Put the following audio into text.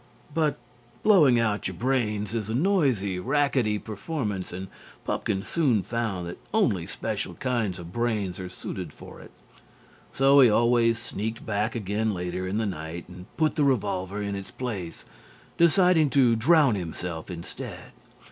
But blowing your brains out is a noisy, rackety performance, and Pupkin soon found that only special kinds of brains are suited for it. So he always sneaked back again later in the night and put the revolver in its place, deciding to drown himself instead.